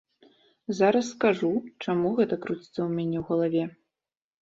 Зараз скажу, чаму гэта круціцца ў мяне ў галаве.